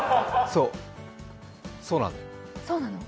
そう、そうなの。